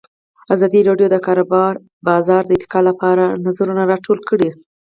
ازادي راډیو د د کار بازار د ارتقا لپاره نظرونه راټول کړي.